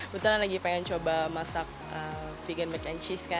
bu tuan lagi pengen coba masak vegan mac and cheese kan